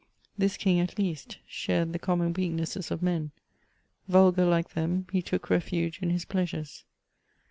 This King, at least, shared the common weaknesses of men; vulgar, like them, he took reftige in his pleasures.